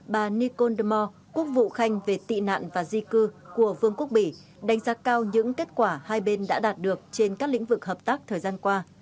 bà nikol dmore quốc vụ khanh về tị nạn và di cư của vương quốc bỉ đánh giá cao những kết quả hai bên đã đạt được trên các lĩnh vực hợp tác thời gian qua